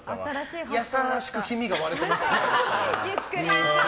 優しく黄身が割れてましたね。